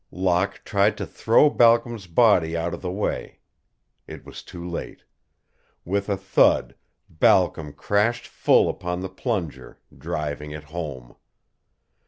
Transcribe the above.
Locke tried to throw Balcom's body out of the way. It was too late. With a thud Balcom crashed full upon the plunger, driving it home.